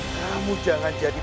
kamu jangan jadi